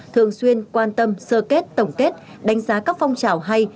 thường xuyên quan tâm sơ kết tổng kết đánh giá các phong trào hay